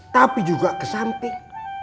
tapi juga ke samping